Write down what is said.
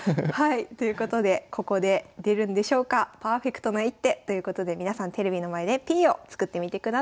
ということでここで出るんでしょうかパーフェクトな一手ということで皆さんテレビの前でＰを作ってみてください。